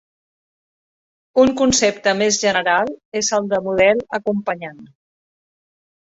Un concepte més general és el de model acompanyant.